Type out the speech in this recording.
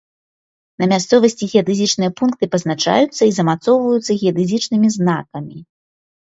На мясцовасці геадэзічныя пункты пазначаюцца і замацоўваюцца геадэзічнымі знакамі.